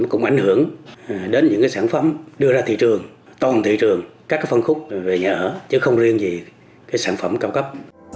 cũng ảnh hưởng đến những sản phẩm đưa ra thị trường toàn thị trường các phân khúc về nhà ở chứ không riêng gì sản phẩm cao cấp